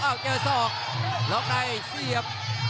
อ้าวเจอสอกหลอกในเสียบ